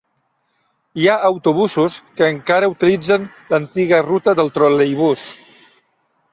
Hi ha autobusos que encara utilitzen l'antiga ruta del troleibús.